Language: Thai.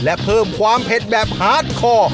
และเพิ่มความเผ็ดแบบฮาร์ดคอ